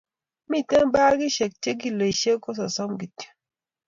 miten bakishek che kiloishek ko sasam kityok